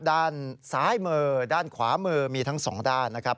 ด้านซ้ายมือด้านขวามือมีทั้งสองด้านนะครับ